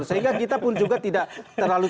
sehingga kita pun juga tidak terlalu